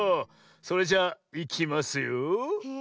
それじゃあいきますよ。